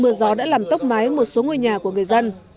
mưa gió đã làm tốc máy một số ngôi nhà của người dân